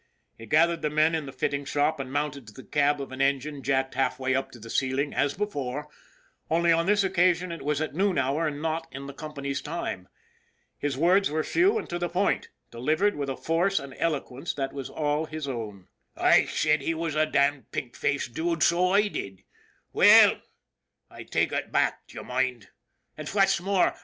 He gathered the men in the fitting shop and mounted to the cab of an engine jacked half way up to the ceiling as before, only on this occasion it was at noon hour and not in the company's time. His words were few and to the point, delivered with a force and eloquence that was all his own :" I sed he was a damned pink faced dude, so I did. Well, I take ut back, d'ye moind?